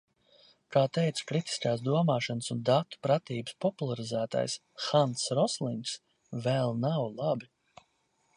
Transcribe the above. Kā teica kritiskās domāšanas un datu pratības popularizētājs Hanss Roslings - vēl nav labi.